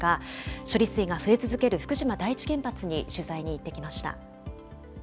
処理水が増え続ける福島第一原発に取材に行ってきました。